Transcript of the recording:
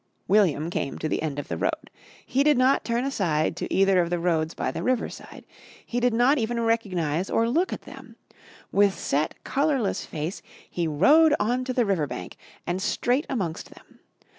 William came to the end of the road. He did not turn aside to either of the roads by the riverside. He did not even recognise or look at them. With set, colourless face he rode on to the river bank, and straight amongst them.